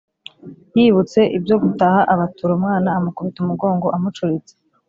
yibutse ibyo gutaha abatura umwana amukubita umugongo amucuritse.